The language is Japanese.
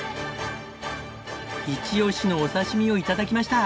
イチオシのお刺身を頂きました。